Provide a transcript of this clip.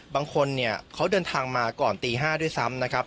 บางคนเนี่ยเขาเดินทางมาก่อนตี๕ด้วยซ้ำนะครับ